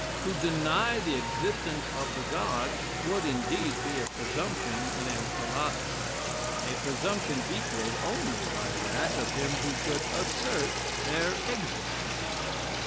To deny the existence of the Gods would indeed be presumption in a 'philosopher; a presumption equalled only by that of him who should assert their existence."